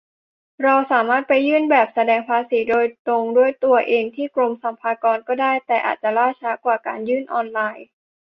เราสามารถไปยื่นแบบแสดงภาษีโดยตรงด้วยตัวเองที่กรมสรรพากรก็ได้ แต่อาจจะล่าช้ากว่าการยื่นออนไลน์